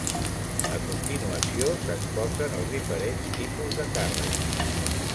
A continuació s'exposen els diferents tipus de càrregues.